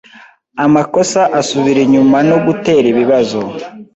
amakosa asubira inyumano gutera ibibazo